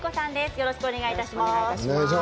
よろしくお願いします。